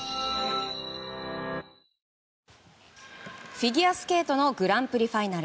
フィギュアスケートのグランプリファイナル。